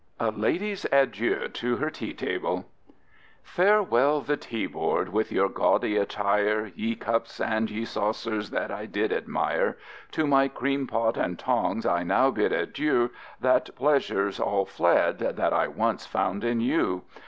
A Lady's Adieu to Her Tea Table _FAREWELL the Tea board with your gaudy attire, Ye cups and ye saucers that I did admire; To my cream pot and tongs I now bid adieu; That pleasure's all fled that I once found in you.